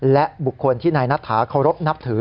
และบุคคลที่นายนัทธาเคารพนับถือ